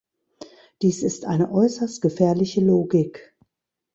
Dies ist eine äußerst gefährliche Logik.